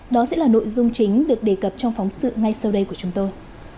đó sẽ là nội dung chính được đề cập trong phóng sự ngay sau đây của chúng tôi